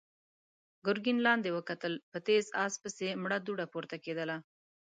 ګرګين لاندې وکتل، په تېز آس پسې مړه دوړه پورته کېدله.